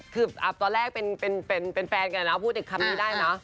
คือตอนแรกฝ์แฟนกันพูดอีกคำนี้ได้นะ